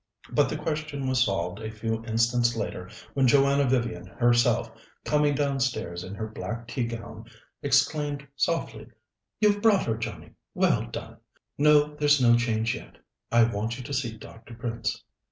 But the question was solved a few instants later, when Joanna Vivian herself, coming downstairs in her black tea gown, exclaimed softly: "You've brought her, Johnnie! Well done! No; there's no change yet. I want you to see Dr. Prince."